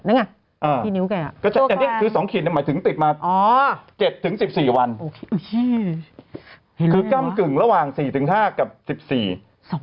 อันนี้๒ขีดคือติดมาระหว่าง๗๑๒วัน